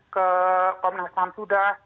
ke komnasan sudah